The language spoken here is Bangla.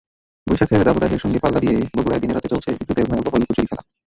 বৈশাখের দাবদাহের সঙ্গে পাল্লা দিয়ে বগুড়ায় দিনে-রাতে চলছে বিদ্যুতের ভয়াবহ লুকোচুরি খেলা।